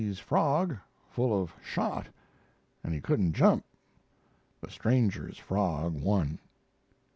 's frog full of shot and he couldn't jump. The stranger's frog won.